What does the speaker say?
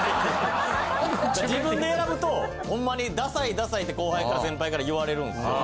自分で選ぶとほんまにダサいダサいって後輩から先輩から言われるんですよね。